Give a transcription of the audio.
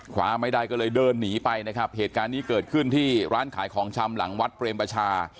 คว้าไม่ได้ก็เลยเดินหนีไปนะครับเหตุการณ์นี้เกิดขึ้นที่ร้านขายของชำหลังวัดเปรมประชา